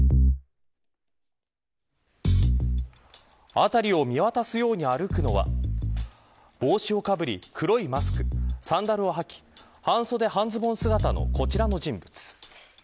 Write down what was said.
辺りを見渡すように歩くのは帽子をかぶり黒いマスクサンダルを履き半袖半ズボン姿のこちらの人物。